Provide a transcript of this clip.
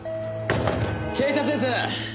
警察です！